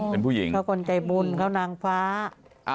เป็นผู้หญิงเขาคนใจบุญเขานางฟ้า